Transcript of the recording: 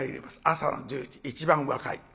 朝の１０時一番若い。